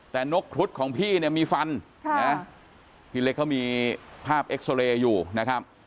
แต่นกครุฑของพี่เนี่ยมีฟันพี่เล็กเขามีภาพเอ็กซอเรย์อยู่นะครับ